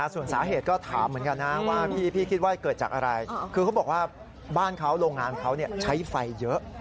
ส่วนสาเหตุก็ถามเหมือนกันนะว่าพี่คิดว่าเกิดจากอะไรคือเขาบอกว่าบ้านเขาโรงงานเขาใช้ไฟเยอะ